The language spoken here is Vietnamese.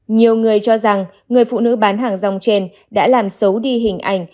nhiều người cho rằng người phụ nữ bán hàng rong trên đã làm xấu đi hình ảnh